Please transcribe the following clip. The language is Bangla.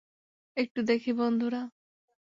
একটু দেখি, বন্ধুরা।